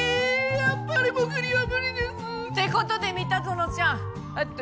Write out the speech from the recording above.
やっぱり僕には無理です。って事で三田園ちゃんあとシクヨロ。